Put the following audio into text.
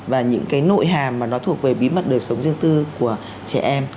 và những cái nội hàm mà nó thuộc về bí mật đời sống riêng tư của trẻ em